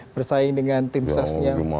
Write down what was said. bersaing dengan tim sesnya